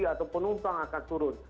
atau penumpang akan turun